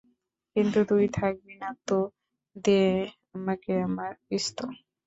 কিন্তু তুই থাকবি না, তো দে আমাকে আমার পিস্তল।